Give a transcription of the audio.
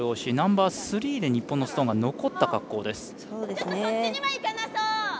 ナンバースリーで日本のストーンが残った格好。